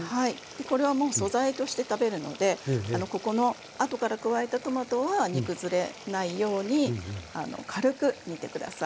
でこれはもう素材として食べるのでここのあとから加えたトマトは煮崩れないように軽く煮て下さい。